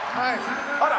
あら？